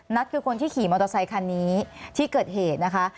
คือคนที่ขี่มอเตอร์ไซคันนี้ที่เกิดเหตุนะคะ